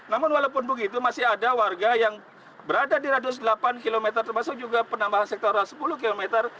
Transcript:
namun walaupun begitu masih ada warga yang berada di radius delapan km termasuk juga penambahan sektoral sepuluh kilometer